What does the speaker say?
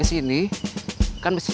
kan udah dia bukan guruku lah